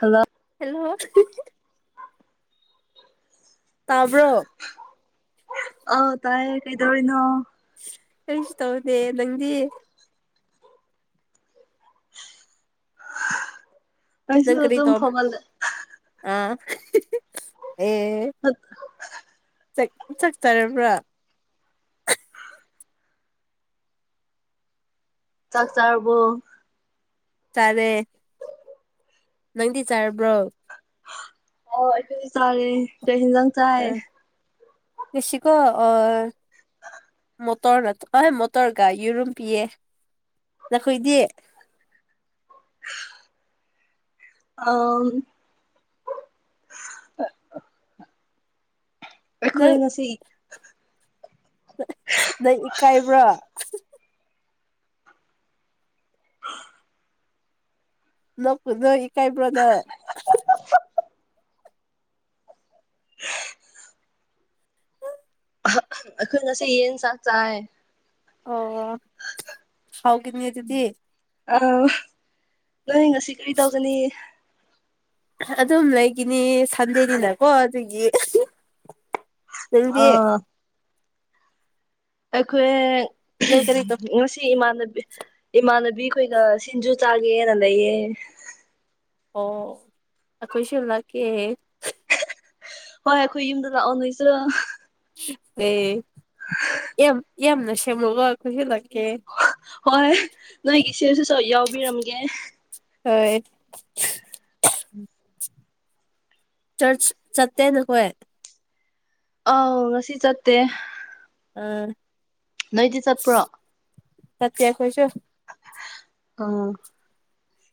hello hello ꯇꯥꯕ꯭ꯔꯣ ꯑꯣ ꯇꯥꯏꯌꯦ ꯀꯩꯗꯧꯔꯤꯅꯣ ꯀꯔꯤꯁꯨ ꯇꯧꯗꯦ ꯅꯪꯗꯤ ꯑꯩꯁꯨ ꯅꯪ ꯀꯔꯤ ꯑꯗꯨꯝ ꯇꯧꯕ꯭ꯔ ꯐꯥꯎꯍꯜꯂꯦ ꯍ ꯆꯆꯔꯕ꯭ꯔꯥ ꯆꯥꯛ ꯆꯔꯔꯕꯣ ꯇꯔꯦ ꯅꯪꯗꯤ ꯆꯥꯔꯕ꯭ꯔꯣ ꯑꯣ ꯑꯩ ꯆꯥꯔꯦ ꯀꯁꯟꯖ ꯆꯥꯏ ꯔꯁꯤꯀꯣ ꯑꯣ ꯃꯇꯔ ꯅꯅꯥ ꯑ ꯃꯇꯔꯒꯥꯏ ꯌꯔꯨꯝ ꯄꯌꯦ ꯅꯈꯣꯏꯗꯤ [unintelligible] ꯑ ꯑꯩꯈꯣꯏ ꯅꯪ ꯉꯁꯤ ꯅꯪ ꯏꯀꯥꯏꯕ꯭ꯔꯥ [unintelligible] ꯅꯄꯅ ꯏ ꯀꯥꯏꯕ꯭ꯔꯣꯅ ꯑꯩꯈꯣꯏ ꯉꯁꯦ ꯌꯦꯟ ꯆ ꯆꯥꯏ ꯑꯣ ꯍꯥꯎ ꯀꯅꯤ ꯌꯇꯗꯤ ꯑꯥ ꯅꯣꯏ ꯉꯁꯤ ꯀꯔꯤ ꯇꯧꯒꯅꯤ ꯑꯗꯨꯝ ꯂꯩꯒꯤꯅꯤ ꯁꯟꯗꯦꯅꯤꯅꯀꯣ ꯑꯗꯨꯒꯤ ꯅꯪꯗꯤ ꯑ ꯑꯩꯈꯣꯏ ꯅꯪ ꯀꯔꯤ ꯇꯧ ꯉꯁꯤ ꯏꯃꯥꯟꯅꯕꯤ ꯏꯃꯥꯟꯅ ꯈꯣꯏꯒ ꯁꯤꯡꯖꯨ ꯆꯥꯒꯦꯔ ꯂꯩꯏꯌꯦ ꯑꯣ ꯑꯩꯈꯣꯏ ꯁꯤꯕꯂꯥꯛꯀꯤꯦꯦ ꯍꯣꯏ ꯑꯩꯈꯣꯏ ꯌꯨꯝꯗ ꯂꯥꯛꯑꯣ ꯅꯣꯏꯁꯨ ꯑꯦ ꯌꯥꯝꯦꯝ ꯌꯥꯝꯦꯝ ꯅꯁꯃ ꯋꯥ ꯀ ꯁꯤ ꯂꯒꯦ ꯍꯣꯏ ꯅꯣꯏꯒꯤ ꯁꯤꯔꯁꯨꯁꯨ ꯌꯥꯎꯕꯤꯔꯝꯒꯦ ꯍꯣꯏ ꯎꯝ ꯆꯔꯆ ꯆꯠꯇꯇ ꯅꯈꯣꯏ ꯑꯥꯎ ꯉꯁꯤ ꯆꯠꯇꯦ ꯑ ꯅꯣꯏꯗꯤ ꯆꯠꯄ꯭ꯔꯣ ꯁꯠꯦꯡꯈꯣꯏꯁꯨ ꯑꯥ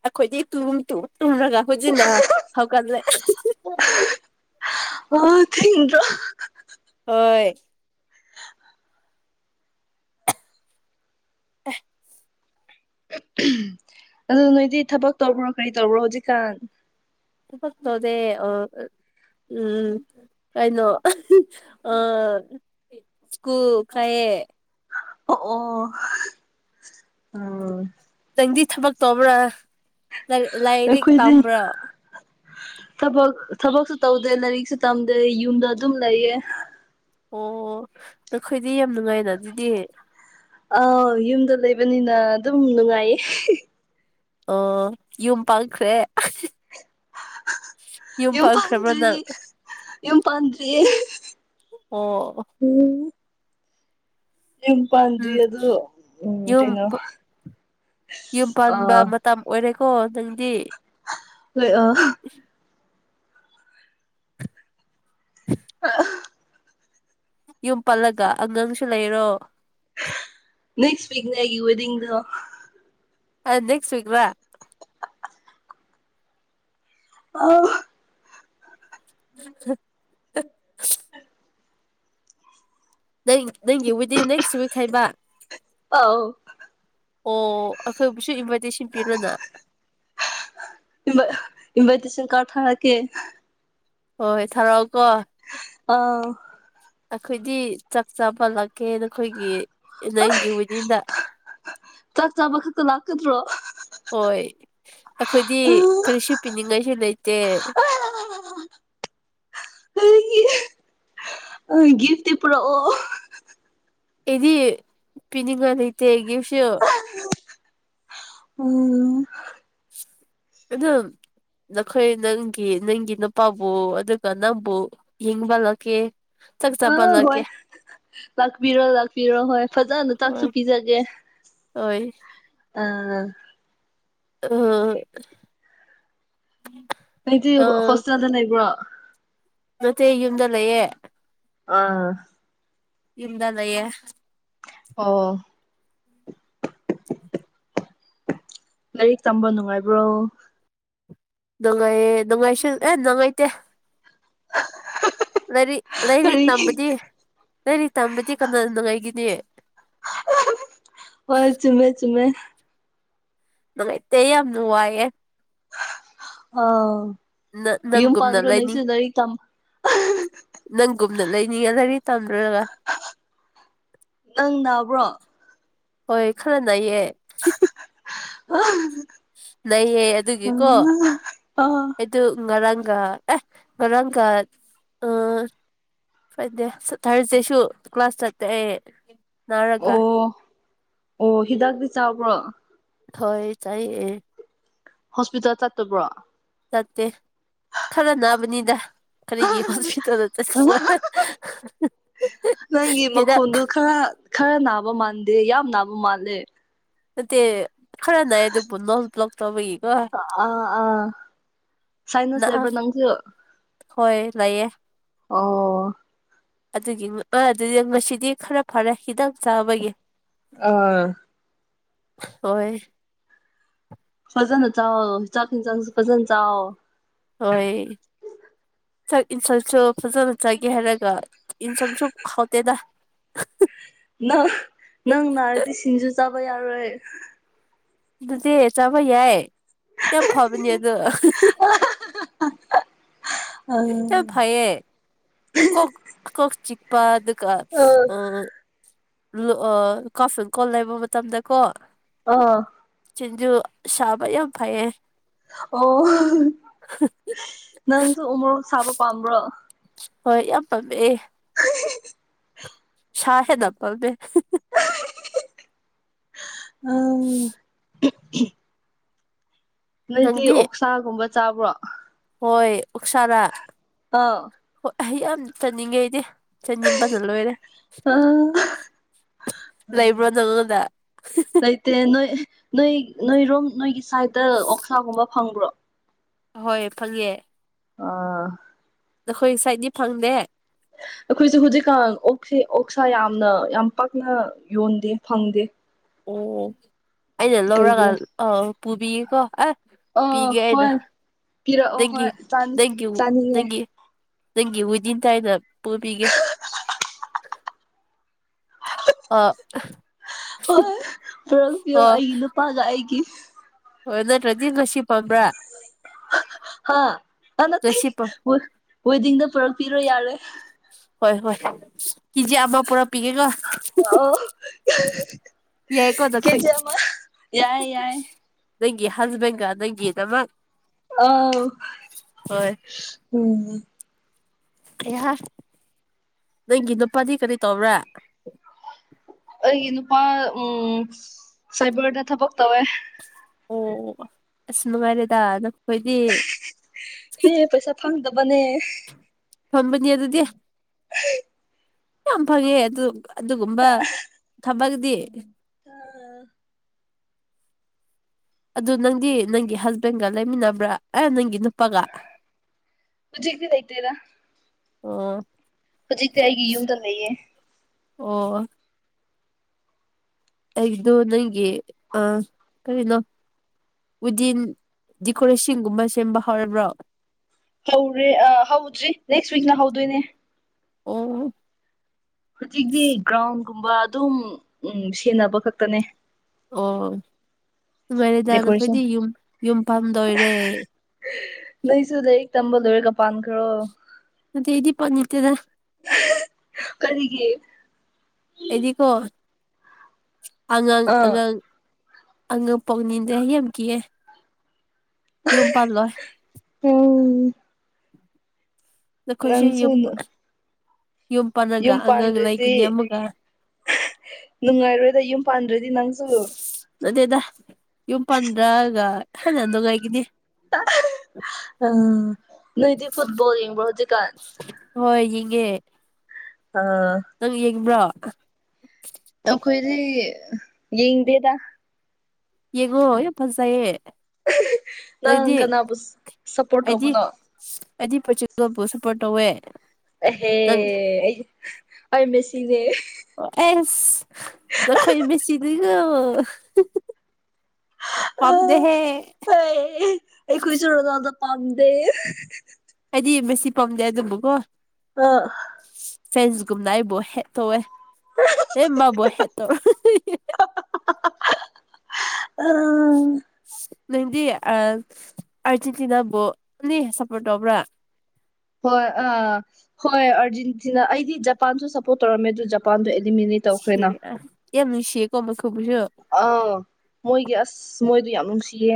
ꯑꯩꯈꯣꯏꯗꯤ ꯇꯨ ꯇꯨ ꯇꯨꯝ꯭ꯔꯒ ꯍꯧꯣꯏꯖꯤꯟꯅ ꯍꯧꯥꯎ ꯀꯜꯂꯦ ꯊ꯭ꯔꯣ ꯍꯣꯏ ꯑ ꯑꯗꯨ ꯅꯣꯏꯗꯤ ꯊꯕꯛ ꯇꯧꯕ꯭ꯔꯣ ꯀꯔꯤ ꯇꯧꯕ꯭ꯔꯣ ꯍꯧꯖꯤꯛꯀꯥꯟ ꯗꯦ ꯑ ꯎꯝ ꯀꯥꯏꯩꯅꯣ ꯑ ꯁꯀꯨ ꯀꯥꯏ ꯍ ꯑꯣ ꯑꯣ ꯎ ꯍꯤꯟꯗꯤ ꯊꯕꯛ ꯇꯕ꯭ꯔꯥ ꯑꯩꯈꯣꯏꯗꯤ ꯊꯕꯛ ꯊꯕꯛꯁꯨ ꯇꯧꯗꯦ ꯂꯥꯏꯔꯤꯛꯁꯦ ꯇꯝꯗꯦ ꯌꯨꯝꯗ ꯑꯗꯨꯝ ꯂꯩꯌꯦ ꯑꯣ ꯅꯈꯣꯏꯗꯤ ꯌꯥꯝ ꯅꯨꯡꯉꯥꯏ ꯑꯥꯎ ꯌꯨꯝꯗ ꯂꯩꯕꯅꯤꯅ ꯑꯗꯨꯝ ꯅꯨꯡꯉꯥꯏꯌꯦ ꯑꯣ ꯌꯨꯝ ꯄꯥꯡꯈ꯭ꯔꯦ ꯌꯨꯝ ꯄꯥꯟꯗ꯭ꯔꯤ ꯌꯨꯝ ꯄꯥꯟꯔꯤ ꯑꯣ ꯌꯨꯝ ꯄꯥꯟꯗ꯭ꯔꯤ ꯎꯝ ꯑꯗꯨ ꯎꯝ ꯌꯨꯝ ꯀꯩꯅꯣ ꯌꯨꯝ ꯄꯥꯟꯕ ꯑꯥ ꯃꯇꯝ ꯑꯣꯏꯔꯦꯀꯣ ꯅꯪꯗꯤ ꯂꯣꯏ ꯑ ꯑ ꯌꯨꯝ ꯄꯜꯂꯒ ꯑꯉꯥꯡꯁꯨ ꯂꯩꯔꯣ ꯅꯦꯛꯁꯤꯛ ꯅ ꯑꯩꯒꯤ ꯦꯗꯤꯗ ꯑ ꯅꯦꯛꯁꯤꯛ ꯑ [inaudible] ꯅꯪ ꯅꯪꯒꯤ ꯤꯗ ꯏꯤꯟ ꯅꯦꯛꯁ ꯤꯛ ꯍꯥꯏꯩꯕ ꯑꯥꯎ ꯑꯣ ꯑꯩꯈꯣꯏꯕꯨꯁꯨ ꯏꯟꯚꯥꯏꯇꯦꯁꯟ ꯄꯤꯔꯣꯅ ꯏ ꯏꯕꯇꯁꯤꯦꯜ ꯀꯥ ꯊꯔꯀꯦ ꯍꯣꯏ ꯍꯣꯏ ꯊꯥꯔꯛꯑꯣ ꯀꯣ ꯑꯥ ꯑꯩꯈꯣꯏꯗꯤ ꯆꯥꯛ ꯆꯥꯕꯂꯛꯀꯦ ꯅꯈꯣꯏꯒꯤ ꯅ ꯏꯒꯤ ꯕꯨꯗꯤꯗ ꯀꯗ꯭ꯔꯣ [unintelligible] ꯑꯩꯈꯣꯏꯗꯤ ꯑꯥ ꯀꯔꯤꯁꯨ ꯄꯤꯅꯤꯡꯉꯥꯏꯁꯨ ꯂꯩꯇꯦ ꯍ [unintelligible] ꯑ ꯒꯤꯐꯇꯗꯤ ꯄꯨꯔꯣ ꯑꯣ ꯑꯦꯗꯤ ꯄꯤꯅꯤꯡꯕ ꯂꯩꯇ ꯒꯤꯐꯁꯨ ꯑꯣ ꯑꯗꯨꯗ ꯅꯈꯣꯏ ꯅꯪꯒꯤ ꯅꯪꯒꯤ ꯅꯨꯄꯥꯕꯨ ꯑꯗꯨꯒ ꯅꯪꯕꯨ ꯌꯦꯤꯡꯕꯜꯂꯛꯀꯦ ꯆꯥꯛ ꯑ ꯆꯄꯜꯀꯦ ꯍꯣꯏ ꯂꯥꯛꯄꯤꯔꯣ ꯂꯥꯛꯄꯤꯔꯣ ꯍꯣꯏ ꯐꯖꯅ ꯆꯥꯛꯁꯨ ꯍꯣꯏ ꯄꯤꯖꯒꯦ ꯍꯣꯏ ꯑꯥ ꯑ ꯃꯗꯤ ꯑ ꯍꯣꯁꯇꯦꯜꯗꯅ ꯏꯕ꯭ꯔ ꯅꯠꯇꯦ ꯌꯨꯝꯗ ꯂꯩꯌꯦꯦ ꯑꯥ ꯌꯨꯝꯗ ꯂꯦꯏꯌꯦ ꯑꯣ ꯂꯥꯏꯔꯤꯛ ꯇꯝꯕ ꯅꯨꯡꯉꯥꯏꯕ꯭ꯔꯣ ꯗꯒꯥꯏꯌꯦ ꯗꯒꯥꯏꯁꯨ ꯑꯦ ꯗꯉꯥꯏꯇ ꯂꯥꯏꯔꯤꯛ ꯂꯥꯏꯔꯤꯛ ꯇꯝꯕꯗꯤ ꯂꯥꯏꯔꯤꯛ ꯇꯝꯕꯗꯤ ꯀꯅꯥ ꯅꯨꯡꯉꯥꯏꯒꯤꯅꯤ ꯍꯣꯏ ꯆꯨꯝꯃꯦ ꯆꯨꯝꯃꯦ ꯅꯨꯡꯉꯥꯏꯇ ꯌꯥꯝ ꯅꯨꯡ ꯋꯥꯏꯌꯦ ꯑꯥ ꯌꯨꯝ ꯅꯪꯒꯨꯝꯅ ꯄꯥꯟꯈ꯭ꯔꯣ ꯅꯪꯁꯨ ꯂꯩꯅꯤꯡ ꯂꯥꯏꯔꯤꯛ ꯇꯝ ꯀꯨꯝꯅ ꯂꯩꯅꯤꯌꯦ ꯂꯩꯔꯤ ꯇꯝꯗꯨꯔꯒ ꯅꯪ ꯅꯥꯕ꯭ꯔꯣ ꯍꯣꯏ ꯈꯔꯅꯌꯦ ꯑ ꯂꯩꯌꯦ ꯑꯗꯨꯒꯤꯀꯣ ꯑꯩꯗ ꯉꯔꯥꯡ ꯑꯦ ꯔꯥꯡ ꯀ ꯑ ꯐꯗꯦ ꯊꯥꯔꯁꯗꯦꯁꯨ ꯀ꯭ꯂꯥꯁ ꯆꯠꯄꯦ ꯑꯩ ꯅꯥꯔꯒ ꯑꯣ ꯑꯣ ꯍꯤꯗꯥꯛꯇꯤ ꯆꯥꯎꯥꯕ꯭ꯔꯣ ꯍꯣꯏ ꯆꯥꯏꯌꯦ ꯍꯣꯁꯄꯤꯇꯥꯜ ꯆꯠꯇꯕ꯭ꯔꯣ ꯆꯠꯇꯦ ꯈꯔ ꯅꯥꯕꯅꯤꯗ ꯀꯔꯤꯒꯤ ꯍꯣꯁꯄꯤꯇꯥꯜꯗ ꯆꯠ ꯅꯪꯒꯤ ꯃꯈꯣꯟꯗꯨ ꯈꯔ ꯈꯔ ꯅꯥꯕ ꯃꯥꯟꯗꯦ ꯌꯥꯝ ꯅꯥꯕ ꯃꯥꯜꯂꯦ ꯑ ꯈꯔ ꯅꯥꯌꯦ ꯑꯗꯨꯕꯨ ꯅꯜ ꯭ꯂꯛ ꯇꯕ ꯑꯥ ꯑꯥ ꯁꯥꯏꯅꯥꯁ ꯅ ꯂꯩꯕꯔ ꯅꯪꯁꯨ ꯍꯣꯏ ꯂꯩꯌꯦ ꯑꯣ ꯑꯗꯨꯒꯤ ꯑꯗꯨꯗꯤ ꯉꯁꯤꯗꯤ ꯈꯔ ꯐꯔꯦ ꯍꯈꯤꯗꯪ ꯑꯥ ꯍꯣꯏ ꯐꯖꯅ ꯆ ꯆꯥꯛ ꯆ ꯐꯖꯅ ꯆ ꯍꯣꯏ ꯁꯥꯛ ꯌꯦꯟꯁꯥꯡꯁꯨ ꯐꯖꯅ ꯆꯒꯦ ꯍꯥꯏꯔꯒ ꯌꯦꯟꯁꯥꯡꯁꯨ ꯈꯥꯎꯇꯦꯗ ꯅꯪ ꯍꯔꯣꯏ ꯑꯗꯨꯗꯤ ꯆꯥꯕ ꯌꯥꯏ ꯌꯥꯝ ꯐꯕꯅꯦ ꯑꯗꯣ ꯑ ꯁꯤ ꯐꯥꯏꯌꯦ ꯀꯣꯛ ꯀꯣꯛ ꯆꯤꯛꯄ ꯑ ꯀꯥꯐꯤꯟ ꯀꯣꯜ ꯂꯩꯕ ꯃꯇꯝꯗ ꯀꯣ ꯑꯥ ꯆꯖꯨ ꯁꯥꯥꯕꯩ ꯐꯌꯦ ꯑꯣ ꯅꯪꯁꯨ ꯎꯃꯣꯔꯣꯛ ꯁꯥꯕ ꯄꯥꯝꯕ꯭ꯔꯣ ꯍꯣꯏ ꯌꯥꯝ ꯄꯝꯃꯛꯑꯦ [inaudible] ꯁꯦ ꯅ ꯄꯝꯗꯦ ꯑ ꯅꯪꯗꯤ ꯑꯣꯛꯁꯥꯒꯨꯝꯕ ꯆꯥꯕ꯭ꯔꯣ ꯍꯣꯏ ꯑꯣꯛꯁꯥꯗꯥ ꯑꯥ ꯍ ꯑꯩ ꯌꯥꯝ ꯆꯥꯅꯤꯡꯉꯦ ꯑꯩꯗꯤ ꯆꯅꯤꯡꯕꯅ ꯂꯣꯏꯔꯦ ꯑ ꯂꯩꯕ꯭ꯔꯣ ꯅꯪꯉꯣꯟꯗ ꯂꯩꯇꯔꯦ ꯅꯣꯏ ꯅꯣꯏ ꯅꯣꯏꯔꯣꯝ ꯅꯣꯏꯒꯤ ꯁꯥꯏꯠꯇ ꯑꯣꯛꯁꯥꯒꯨꯝꯕ ꯐꯪꯕ꯭ꯔꯣ ꯍꯣꯏ ꯐꯪꯉꯦ ꯑꯥ ꯅꯈꯣꯏ ꯁꯥꯏꯠꯗꯤ ꯐꯪꯗꯦ ꯑꯩꯈꯣꯏꯁꯨ ꯍꯧꯖꯤꯛꯀꯥꯟ ꯑꯣꯛꯁꯦ ꯑꯣꯛꯁꯥ ꯌꯥꯝꯅ ꯌꯥꯝ ꯄꯥꯛꯅ ꯌꯣꯟꯗꯦ ꯐꯪꯗꯦ ꯑꯣ ꯑꯩꯅ ꯂꯧꯔꯒ ꯀꯩꯒꯤꯔ ꯑ ꯄꯨꯕꯤꯌꯦꯀꯣ ꯑ ꯑ ꯄꯤꯒꯦ ꯍꯥꯏꯅ ꯍꯣꯏ ꯄꯤꯔꯛꯑꯣ ꯗꯦꯡꯒꯤ ꯍꯣꯏ ꯆꯥꯅꯤ ꯗꯦꯡꯒꯤ ꯆꯥꯅꯤꯡꯉꯦ ꯗꯦꯡꯒꯤ ꯅꯪꯒꯤ ꯋꯤꯗꯤꯟ ꯇꯥꯏꯅ ꯄꯨꯕꯤꯒꯦ ꯑ ꯍꯣꯏ ꯄꯨꯔꯛꯄꯤꯌꯣ ꯑ ꯑꯩꯒꯤ ꯅꯨꯄꯥꯒ ꯑꯩꯒꯤ ꯍꯣꯏ ꯅꯠꯇ꯭ꯔꯗꯤ ꯉꯁꯤ ꯄꯝꯕ꯭ꯔꯥ ꯍꯥꯥ ꯍ ꯅꯠꯇ ꯉꯁꯤ ꯄꯥꯝ ꯋꯦꯗꯤꯡꯗ ꯄꯨꯔꯛꯄꯤꯔꯣ ꯌꯥꯔꯣꯏ ꯍꯣꯏ ꯍꯣꯏ ꯀꯦꯖꯤ ꯑꯃ ꯄꯨꯔ ꯑꯣ ꯌꯥꯏꯀꯣ ꯅꯈꯣꯏ ꯀꯦꯖꯤ ꯑꯃ ꯌꯥꯏ ꯌꯥꯏ ꯅꯪꯒꯤ ꯍꯁꯕꯦꯟ ꯅꯪꯒꯤ ꯅꯃꯥ ꯑ ꯎꯝ ꯏꯍ ꯅꯪꯒꯤ ꯅꯨꯄꯥꯗꯤ ꯀꯔꯤ ꯇꯧꯕ꯭ꯔꯥ ꯑꯩꯒꯤ ꯅꯨꯄꯥ ꯎꯝ ꯁꯥꯏꯕꯔꯗ ꯊꯕꯛ ꯇꯧꯋꯦ ꯑꯣ ꯑꯁ ꯅꯨꯡꯉꯥꯏꯔꯦꯗ ꯅꯈꯣꯏꯗꯤ ꯑꯦ ꯄꯩꯁꯥ ꯐꯪꯗꯕꯅꯦ ꯐꯝꯕꯅꯤ ꯑꯗꯨꯗꯤ ꯌꯥꯝ ꯐꯪꯉꯦ ꯑꯗꯨ ꯑꯗꯨꯒꯨꯝꯕ ꯊꯕꯛꯗꯤ ꯑꯗꯨ ꯅꯪꯗꯤ ꯅꯪꯒꯤ ꯍꯁꯕꯦꯟꯒ ꯂꯩꯃꯤꯟꯅꯕ꯭ꯔꯥ ꯑꯦ ꯅꯪꯒꯤ ꯅꯨ ꯍꯧꯖꯤꯛꯇꯤ ꯂꯩꯇꯦꯗ ꯑꯣ ꯍꯧꯖꯤꯛꯇꯤ ꯑꯩꯒꯤ ꯌꯨꯝꯗ ꯂꯩꯌꯦ ꯑꯣ ꯑꯩꯗꯣ ꯅꯪꯒꯤ ꯑ ꯀꯔꯤꯅꯣ ꯋꯤꯗꯤꯟ ꯗꯤꯀꯣꯔꯦꯁꯟꯒꯨꯝꯕ ꯁꯦꯝꯕ ꯍꯧꯔꯕ꯭ꯔꯣ ꯍꯧ꯭ꯔꯤ ꯑ ꯍꯧꯗ꯭ꯔꯤ ꯅꯦꯛꯁ ꯋꯤꯛꯇ ꯍꯧꯗꯣꯏꯅꯦ ꯑꯣ ꯍꯧꯖꯤꯛꯇꯤ ꯒ꯭ꯔꯥꯎꯟꯒꯨꯝꯕ ꯑꯗꯨꯝ ꯎꯝ ꯁꯦꯟꯅꯕ ꯈꯛꯇꯅꯦ ꯑꯣ ꯅꯨꯡꯉꯥꯏꯔꯦꯗ ꯗꯦꯀꯣꯔꯦꯁꯟ ꯅꯈꯣꯏꯗꯤ ꯌꯨꯝ ꯌꯨꯝ ꯄꯥꯟꯗꯣꯏꯔꯦ ꯅꯣꯏꯁꯨ ꯂꯥꯏꯔꯤꯛ ꯇꯝꯕ ꯂꯣꯏꯔꯒ ꯄꯥꯟꯈ꯭ꯔꯣ ꯃꯗ ꯑꯩꯗꯤ ꯄꯥꯟꯅꯤꯡꯇꯦꯗ ꯀꯔꯤꯒꯤ ꯑꯩꯗꯤꯀꯣ ꯑꯉꯥꯡ ꯑꯥ ꯑꯉꯥꯡ ꯑꯉꯥꯡ ꯄꯣꯛꯅꯤꯡꯗꯦ ꯑꯩ ꯌꯥꯝ ꯀꯤꯌꯦ ꯌꯨꯝ ꯄꯥꯟꯂꯣꯏ ꯎꯝ ꯅꯈꯣꯏꯁꯨ ꯅꯪꯁꯨ ꯌꯨꯝ ꯄꯅꯒ ꯌꯨꯝ ꯑꯉꯥꯡ ꯄꯥꯟꯗ꯭ꯔꯗꯤ ꯂꯩꯒꯅꯤ ꯑꯃꯒ ꯅꯨꯡꯉꯥꯏꯔꯣꯏꯗ ꯌꯨꯝ ꯄꯥꯟꯗ꯭ꯔꯗꯤ ꯅꯪꯁꯨ ꯅꯠꯇꯦꯗꯥ ꯌꯨꯝ ꯄꯥꯟꯗ꯭ꯔꯒ ꯍꯦꯟꯅꯥ ꯅꯨꯡꯉꯥꯏꯒꯅꯤ ꯑ ꯅꯣꯏꯗꯤ ꯐꯨꯠꯕꯣꯜ ꯌꯦꯡꯕꯔ꯭ꯑꯣ ꯍꯨꯖꯤꯛꯀꯥꯟ ꯍꯣꯏ ꯌꯦꯡꯉꯦ ꯑ ꯅꯪ ꯌꯦꯡꯕ꯭ꯔꯥ ꯑꯩꯈꯣꯏꯗꯤ ꯌꯦꯡꯗꯦꯗ ꯌꯦꯡꯉꯣ ꯌꯥꯝ ꯐꯖꯩꯌꯦ ꯅꯪ ꯅꯣꯢꯗꯤ ꯀꯅꯥꯕꯨ ꯁꯞꯄꯣꯔꯠ ꯑꯩꯗꯤ ꯇꯧꯕꯅꯣ ꯑꯩꯗꯤ ꯄꯣꯆꯨꯒꯜꯕꯨ ꯁꯄꯣꯔꯠ ꯇꯧꯋꯦ ꯑꯍꯦ ꯅꯪ ꯑꯩ ꯑꯩ ꯃꯦꯁꯤꯅꯦ ꯑꯦꯁ ꯅꯈꯣꯏ ꯃꯦꯁꯤꯗꯤꯅꯥ ꯄꯥꯝꯗꯦꯍꯦ ꯑꯩꯈꯣꯏꯁꯨ ꯔꯣꯅꯥꯜꯗꯣ ꯄꯥꯝꯗꯦ ꯁꯤ ꯃꯦꯁꯤ ꯄꯥꯝꯗꯦ ꯑꯗꯨꯝꯕꯀꯣ ꯑꯥ ꯐ꯭ꯔꯦꯟꯁꯒꯨꯝꯅ ꯑꯩꯕꯨ ꯍꯦꯠ ꯇꯧꯋꯦ ꯑꯦ ꯃꯥꯕꯣ ꯍꯦꯠꯇꯧ ꯎꯝ ꯅꯪꯗꯤ ꯑ ꯑꯔꯖꯦꯟꯇꯤꯅꯥꯕꯣ ꯑꯅꯤ ꯁꯄꯣꯔꯠ ꯇꯧꯕ꯭ꯔꯥ ꯍꯣꯏ ꯑꯥ ꯍꯣꯏ ꯑꯥꯔꯖꯦꯟꯇꯤꯅꯥ ꯑꯩꯗꯤ ꯖꯄꯥꯟꯁꯨ ꯁꯞꯄꯣꯔꯠ ꯇꯧꯔꯝꯃꯦ ꯑꯗꯨ ꯖꯄꯥꯟꯗꯨ ꯅꯤꯃꯤꯠꯅꯤ ꯇꯧꯈ꯭ꯔꯦꯅ ꯁꯤꯔꯦ ꯌꯥꯝ ꯅꯨꯡꯁꯤꯌꯦꯀꯣ ꯃꯈꯣꯏꯕꯨꯁꯨ ꯑꯥ ꯃꯣꯏꯒꯤ ꯑꯁ ꯃꯣꯏꯗꯤ ꯌꯥꯝ ꯅꯨꯡꯁꯤꯌꯦ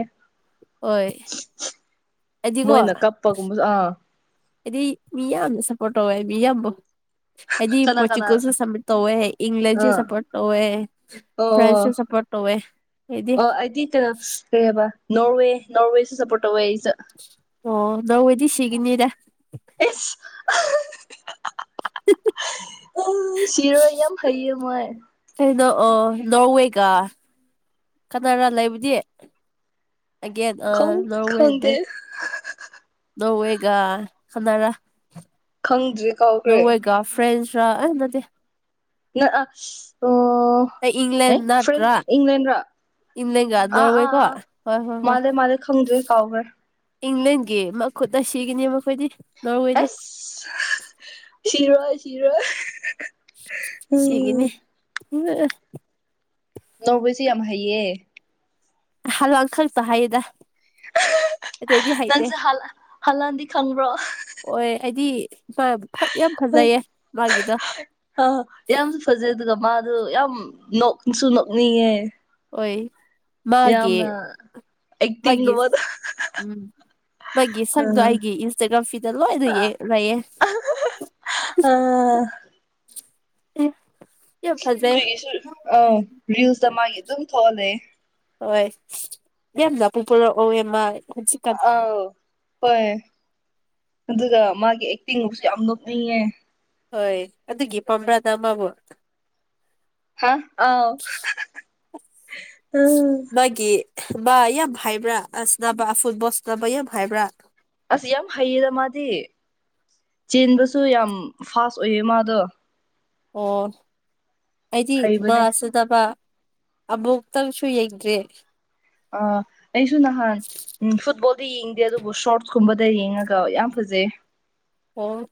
ꯍꯣꯏ ꯃꯣꯏꯅ ꯀꯞꯄꯒꯨꯝꯕꯁꯨ ꯑꯥ ꯑꯗꯤ ꯃꯤ ꯌꯥꯝꯅ ꯁꯄꯣꯔꯠ ꯇꯧꯋꯦ ꯃꯤ ꯌꯥꯝꯕꯣ ꯍꯥꯏꯗꯤ ꯀꯅꯥ ꯀꯅꯥ ꯄꯣꯔꯆꯨꯒꯜꯁꯨ ꯁꯃꯤꯠ ꯇꯧꯋꯦ ꯏꯪꯂꯦꯟꯁꯨ ꯑꯥ ꯁꯞꯄꯣꯔꯠ ꯇꯧꯋꯦ ꯑꯣ ꯐ꯭ꯔꯦꯟꯁꯁꯨ ꯁꯞꯄꯣꯔꯠ ꯇꯣꯋꯦ ꯑꯩꯗꯤ ꯇꯨ ꯀꯩ ꯍꯥꯏꯕ ꯅꯣꯔꯋꯦ ꯅꯣꯔꯋꯦꯁꯨ ꯁꯞꯄꯣꯔꯠ ꯇꯧꯋꯦ ꯑꯩꯁꯨ ꯑꯣ ꯅꯧꯋꯦꯗꯤ ꯁꯤꯒꯤꯅꯤꯗ ꯏꯁ [unintelligible] ꯁꯤꯔꯣꯏ ꯌꯥꯝ ꯍꯩꯌꯦ ꯃꯣꯏ ꯀꯩꯅꯣ ꯑꯣ ꯅꯣꯔꯋꯦꯒꯥ ꯀꯅꯥꯅ ꯂꯩꯕꯗꯤ ꯑꯒꯦꯟ ꯑꯥ ꯈꯪ ꯅꯣꯔꯋꯦ ꯈꯪꯗꯦ ꯗꯦꯟ ꯅꯣꯋꯦꯒ ꯀꯅꯥꯔ ꯈꯪꯗ꯭ꯔꯦ ꯀꯥꯎꯈ꯭ꯔꯦ ꯅꯧꯋꯦꯒ ꯐ꯭ꯔꯦꯁ ꯔꯥ ꯑꯥ ꯅꯠꯇꯦ ꯅ ꯑ ꯑꯣ ꯑꯩ ꯏꯪꯂꯦꯟ ꯑꯦ ꯐꯔ꯭ꯦꯟ ꯅꯠꯇ꯭ꯔꯥ ꯏꯪꯂꯦꯟꯔꯥ ꯏꯪꯂꯦꯟꯒ ꯑꯥ ꯑꯥ ꯅꯣꯔꯋꯦꯀꯣ ꯑꯥ ꯍꯣꯏ ꯍꯣꯏ ꯍꯣꯏ ꯃꯥꯂꯦ ꯃꯥꯂꯦ ꯈꯪꯗ꯭ꯔꯦ ꯀꯥꯎꯈꯔ꯭ꯦ ꯏꯪꯂꯦꯟꯒꯤ ꯃꯈꯨꯠꯇ ꯁꯤꯒꯅꯤ ꯃꯈꯣꯏꯗꯤ ꯅꯣꯔꯋꯦꯗꯤ ꯑꯁ ꯁꯤꯔꯣꯏ ꯁꯤꯔꯣꯏ ꯎꯝ ꯎ [unintelligible] ꯅꯧꯕꯁꯦ ꯌꯥꯝ ꯍꯩꯌꯦ ꯍꯜꯂꯥꯜ ꯈꯛꯠ ꯍꯥꯏꯌꯦꯗ ꯑꯇꯩꯗꯤ ꯍꯩꯇꯦ ꯅꯪꯁꯦ ꯍꯥꯜꯂ ꯍꯥꯜꯂꯥꯟꯗꯤ ꯈꯪꯕ꯭ꯔꯣ ꯑꯣꯏ ꯑꯩꯗꯤ ꯃꯥ ꯌꯥꯝ ꯐꯖꯩꯌꯦ ꯃꯥꯒꯤꯗ ꯌꯥꯝꯁꯨ ꯐꯖꯩ ꯑꯗꯨꯒ ꯃꯥꯗꯣ ꯌꯥꯝ ꯅꯣꯛꯁꯨ ꯅꯣꯛꯅꯤꯡꯉꯦ ꯍꯣꯏ ꯃꯥꯒꯤ ꯌꯥꯝꯅ ꯃꯥꯒꯤ ꯑꯦꯛꯇꯤꯡꯒꯨꯝꯕꯗꯣ ꯎꯝ ꯃꯥꯒꯤ ꯁꯪꯗꯣ ꯎꯝ ꯑꯩꯒꯤ ꯏꯟꯁꯇꯒ꯭ꯔꯥꯝ ꯐꯤꯠꯇ ꯂꯣꯏꯅ ꯂꯩꯌꯦ ꯑꯥ ꯑꯦ ꯌꯥꯝ ꯐꯖꯩ ꯑꯩꯈꯣꯏꯒꯤꯁꯨ ꯑꯥ ꯔꯤꯜꯁꯇ ꯃꯥꯒꯤ ꯑꯗꯨꯝ ꯊꯣꯛꯑ ꯂꯩꯌꯦ ꯍꯣꯏ ꯌꯥꯝ ꯖꯄꯨ ꯄꯨꯔꯛꯑꯣ ꯏꯃ ꯑꯥꯎ ꯄꯦ ꯑꯗꯨꯒ ꯃꯥꯒꯤ ꯑꯦꯛꯇꯤꯡꯕꯨꯁꯨ ꯌꯥꯝ ꯅꯣꯛꯅꯤꯡꯉꯦ ꯍꯣꯏ ꯑꯗꯨꯒꯤ ꯄꯝꯕ꯭ꯔꯥꯗ ꯑꯃꯕꯨ ꯑ ꯑꯥꯎ ꯑ ꯕꯥ ꯌꯥꯝ ꯍꯥꯏꯕ꯭ꯔꯥ ꯑꯁꯕ ꯐꯨꯠꯕꯁ ꯕ ꯌꯥꯝ ꯍꯥꯏꯕ꯭ꯔꯥ ꯑꯁ ꯌꯥꯝ ꯍꯩꯌꯦꯔ ꯃꯥꯗꯤ ꯆꯦꯟꯕꯁꯨ ꯌꯥꯝ ꯐꯥꯁ ꯑꯣꯏꯌꯦ ꯃꯥꯗꯣ ꯑꯣ ꯑꯩꯗꯤ ꯃꯥ ꯍꯩꯕꯅꯦ ꯆꯗꯕ ꯑꯕꯣꯛꯛꯇꯪꯁꯨ ꯌꯩꯗ꯭ꯔꯦ ꯑ ꯑꯩꯁꯨ ꯅꯍꯥꯟ ꯎ ꯐꯨꯠꯕꯣꯜ ꯑꯝ ꯌꯦꯡꯗꯦ ꯑꯗꯨꯕꯨ ꯁꯣꯔꯠꯁ ꯀꯨꯝꯕꯗ ꯌꯦꯡꯉꯒ ꯌꯥꯝ ꯐꯖꯩ ꯑꯣ